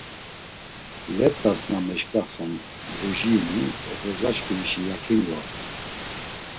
Let̆as na meşǩaxen Lujini, oxorzaşǩimişi yaǩini ort̆u.